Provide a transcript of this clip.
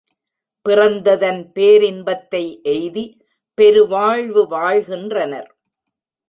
பிறந்ததன் பேரின்பத்தை எய்தி பெரு வாழ்வு வாழ்கின்றனர்.